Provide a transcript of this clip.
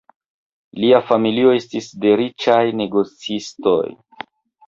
Lia familio estis de riĉaj negocistoj.